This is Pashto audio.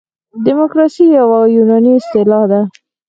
دموکراسي یوه یوناني اصطلاح ده.